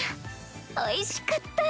おいしかったぁ。